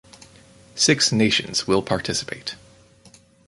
Six nations will participate.